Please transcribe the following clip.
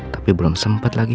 tapi belum sempat lagi